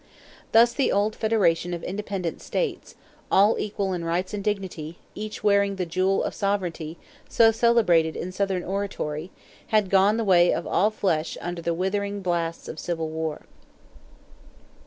Thus the old federation of "independent states," all equal in rights and dignity, each wearing the "jewel of sovereignty" so celebrated in Southern oratory, had gone the way of all flesh under the withering blasts of Civil War.